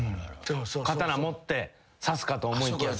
刀持って刺すかと思いきや。